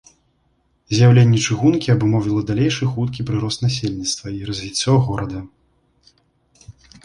З'яўленне чыгункі абумовіла далейшы хуткі прырост насельніцтва і развіццё горада.